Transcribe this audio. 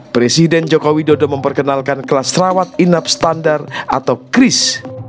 presiden joko widodo memperkenalkan kelas rawat inap standar atau kris